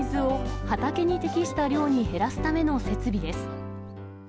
水田の水を畑に適した量に減らすための設備です。